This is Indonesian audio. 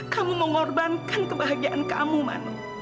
kamu mau ngorbankan kebahagiaan kamu mano